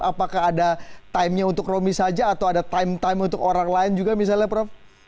apakah ada timenya untuk romi saja atau ada time time untuk orang lain juga misalnya prof